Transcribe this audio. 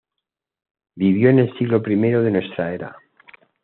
Vivió en el siglo I de nuestra era.